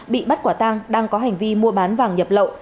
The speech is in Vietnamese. bị bắt quả tang đang có hành vi mua bán vàng nhập lậu